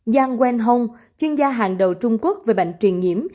yang wenhong chuyên gia hàng đầu trung quốc về bệnh truyền nhiễm